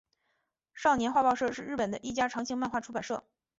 少年画报社是日本的一家长青漫画出版社。